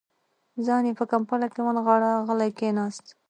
ځان يې په کمپله کې ونغاړه، غلی کېناست.